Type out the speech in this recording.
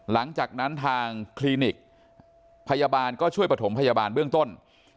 หลังจากนั้นทางคลินิกพยาบาลก็ช่วยประถมพยาบาลเบื้องต้น